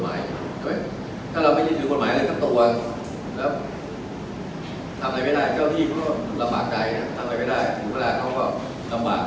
บางชะมัดเจ้าที่ละบ่ายใจทำไมไม่ได้เดี๋ยวเขาก็ลำบาก